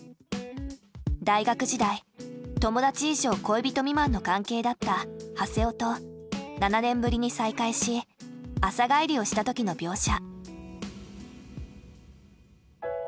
大学時代友達以上恋人未満の関係だったハセオと７年ぶりに再会し朝帰りをしたときの描写。